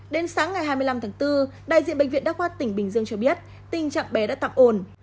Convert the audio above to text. đến sáng ngày hai mươi năm tháng bốn đại diện bệnh viện đa khoa tỉnh bình dương cho biết tình trạng bé đã tạm ổn